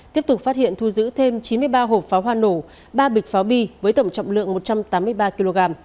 tiếp tục phát hiện thu giữ thêm chín mươi ba hộp pháo hoa nổ ba bịch pháo bi với tổng trọng lượng một trăm tám mươi ba kg